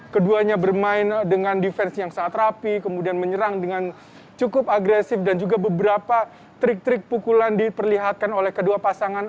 keduanya bermain dengan diferensi yang sangat rapi kemudian menyerang dengan cukup agresif dan juga beberapa trik trik pukulan diperlihatkan oleh kedua pasangan